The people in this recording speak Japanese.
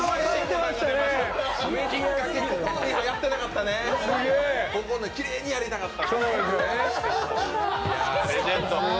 ここはリハやってなかったね、きれいにやりたかった。